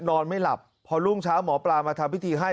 นอนไม่หลับพอรุ่งเช้าหมอปลามาทำพิธีให้